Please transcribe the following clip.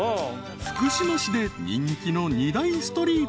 ［福島市で人気の二大ストリート］